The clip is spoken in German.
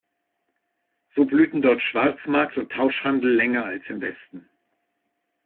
So blühten dort Schwarzmarkt und Tauschhandel länger als im Westen.